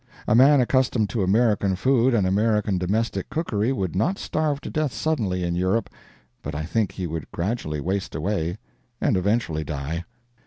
A man accustomed to American food and American domestic cookery would not starve to death suddenly in Europe; but I think he would gradually waste away, and eventually die.